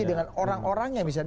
dengan orang orangnya misalnya